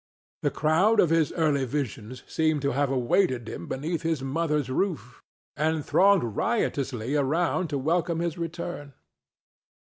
The crowd of his early visions seemed to have awaited him beneath his mother's roof and thronged riotously around to welcome his return.